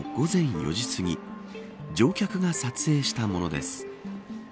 ４時すぎ乗客が撮影したものです。